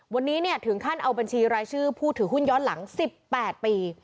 วันนี้ถึงขั้นเอาบัญชีรายชื่อผู้ถือหุ้นย้อนหลัง๑๘ปี